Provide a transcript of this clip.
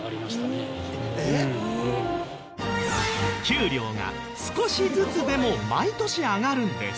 給料が少しずつでも毎年上がるんです。